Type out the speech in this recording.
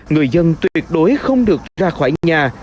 người dân tuyệt đối không được ra khỏi nhà